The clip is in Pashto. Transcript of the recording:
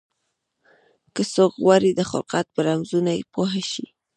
که څوک غواړي د خلقت په رمزونو پوه شي.